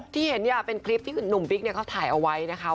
ที่เห็นเนี่ยเป็นคลิปที่หนุ่มบิ๊กเขาถ่ายเอาไว้นะคะ